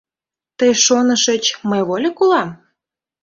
— Тый шонышыч — мый вольык улам?!